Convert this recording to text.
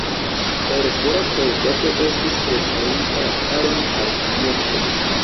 Fervora preĝado estis preparinta la caron al pieco.